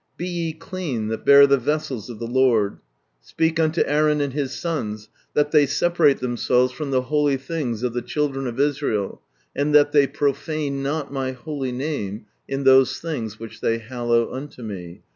" Be ye clean that bear the vessels of the l^rd," "Speak unto Aaron and bis sons that ihey separate themselves from the holy things of the children of Israel, and that ihey profune not My holy name in those things which they hallow unlo Me.